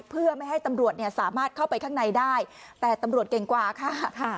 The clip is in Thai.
เพื่อไม่ให้ตำรวจเนี่ยสามารถเข้าไปข้างในได้แต่ตำรวจเก่งกว่าค่ะ